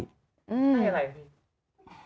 ให้อะไร